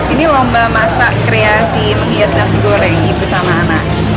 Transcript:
ini lomba masak kreasi menghias nasi goreng ibu sama anak